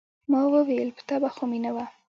ما وويل يه تبه خو مې نه وه.